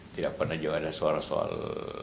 tidak pernah juga ada suara soal